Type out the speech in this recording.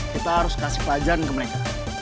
kita harus kasih pajan ke mereka